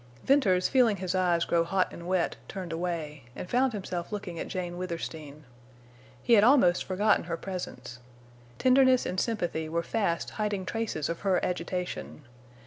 Venters, feeling his eyes grow hot and wet, turned away, and found himself looking at Jane Withersteen. He had almost forgotten her presence. Tenderness and sympathy were fast hiding traces of her agitation.